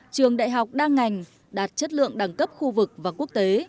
trường đại học đa ngành đạt chất lượng đẳng cấp khu vực và quốc tế